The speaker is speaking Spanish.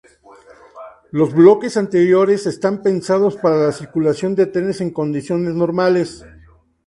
Los bloqueos anteriores, están pensados para la circulación de trenes en condiciones normales.